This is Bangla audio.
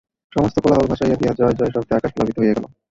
সমস্ত কোলাহল ভাসাইয়া দিয়া জয় জয় শব্দে আকাশ প্লাবিত হইয়া গেল।